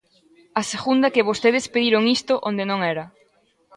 A segunda é que vostedes pediron isto onde non era.